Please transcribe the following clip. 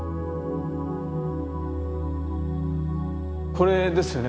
これですよね？